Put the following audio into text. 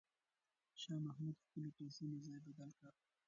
شاه محمود د خپلو توپونو ځای بدل کړ.